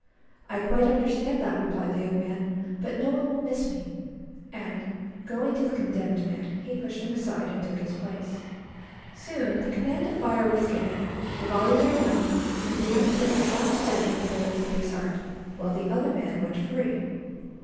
"I quite understand that," replied the young man; "but no one will miss me"; and, going to the condemned man, he pushed him aside, and took his place. Soon the command to fire was given. The volley rang out, and the young hero dropped dead with a bullet through his heart, while the other man went free.